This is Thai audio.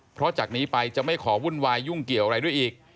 เพราะจากนี้ไปจะไม่ขอวุ่นวายยุ่งเกี่ยวอะไรด้วยอีก